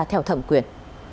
theo thẩm quyền